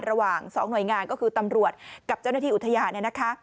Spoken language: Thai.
ระหว่างสองหน่วยงานก็คือตำรวจกับเจ้าหน้าที่อุทยาน